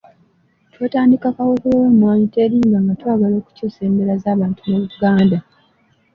Twatandika kaweefube w’Emmwanyi Terimba nga twagala okukyusa embeera z’abantu mu Buganda.